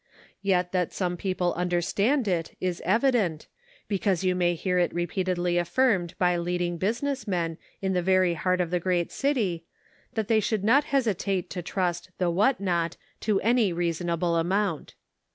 Yet that some people under stand it is evident, because you may hear it repeatedly affirmed by leading business men in the very heart of the great city, that .they should not hesitate to trust the "WHAT NOT," to any reasonable amount.